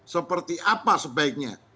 seperti apa sebaiknya